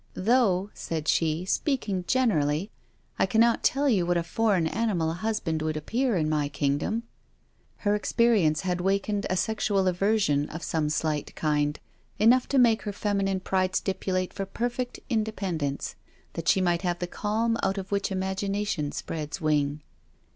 'Though,' said she, 'speaking generally, I cannot tell you what a foreign animal a husband would appear in my kingdom.' Her experience had wakened a sexual aversion, of some slight kind, enough to make her feminine pride stipulate for perfect independence, that she might have the calm out of which imagination spreads wing.